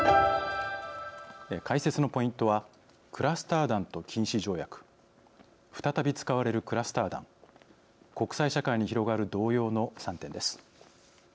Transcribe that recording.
解説のポイントはクラスター弾と禁止条約再び使われるクラスター弾国際社会に広がる動揺の３点です。